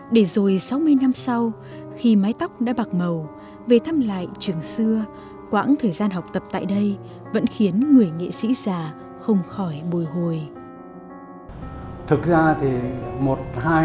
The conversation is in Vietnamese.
để rồi sáu mươi năm sau khi mái tóc đã bạc màu về thăm lại trường xưa quãng thời gian học tập tại đây vẫn khiến người nghệ sĩ già không khỏi bồi hồi